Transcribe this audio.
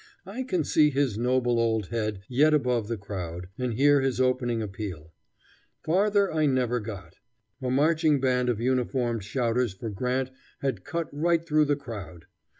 I can see his noble old head yet above the crowd, and hear his opening appeal. Farther I never got. A marching band of uniformed shouters for Grant had cut right through the crowd.